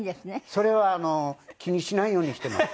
それは気にしないようにしています。